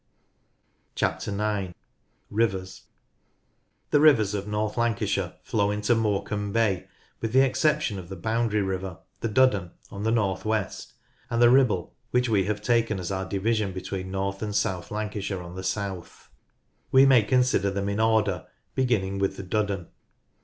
RIVERS 51 9. Rivers. The rivers of North Lancashire flow into Morecambe Bay, with the exception of the boundary river — the Duddon — on the north west, and the Rihble, which we have taken as our division between North and South Lancashire on the south. k The Leven, below Windermere We may consider them in order, beginning with the Duddon.